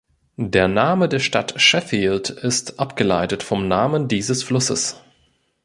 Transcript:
Der Name der Stadt Sheffield ist abgeleitet vom Namen dieses Flusses.